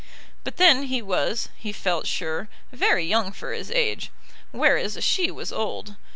But then he was, he felt sure, very young for his age, whereas she was old.